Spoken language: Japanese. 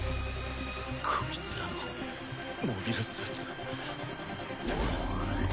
こいつらのモビルスーツ。